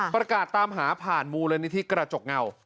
ประกาศตามหาผ่านมูลนิธิกระจกเงา